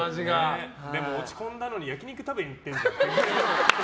でも落ち込んだのに焼き肉食べに行ってる。